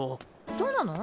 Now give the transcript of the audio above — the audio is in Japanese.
そうなの？